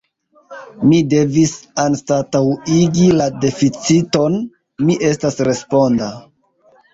Mi devis anstataŭigi la deficiton: mi estas responda.